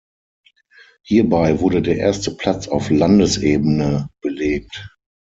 Hierbei wurde der erste Platz auf Landesebene belegt.